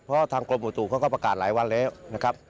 เพราะทางกรมอุตุเขาก็ประกาศหลายวันแล้วนะครับ